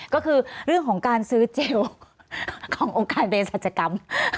ก็คือเรื่องของการซื้อเจลของโอกาสเป็นศัตริกรรม